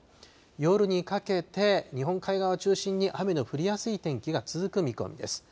夜にかけて日本海側を中心に雨の降りやすい天気が続く見込みです。